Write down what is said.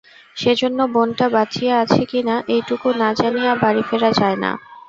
সেজন্য বোনটা বাঁচিয়া আছে কি না এইটুকু না জানিয়া বাড়ি ফেরা যায় না।